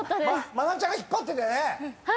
真夏ちゃんが引っ張ってってね。